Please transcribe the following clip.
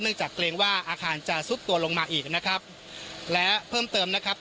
จากเกรงว่าอาคารจะซุดตัวลงมาอีกนะครับและเพิ่มเติมนะครับ